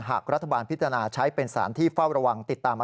หากรัฐบาลพิจารณาใช้เป็นสารที่เฝ้าระวังติดตามมา